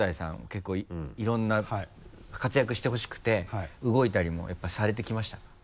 結構いろんな活躍してほしくて動いたりもされてきましたか？